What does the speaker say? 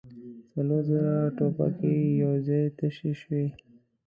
څلور زره ټوپکې يو ځای تشې شوې.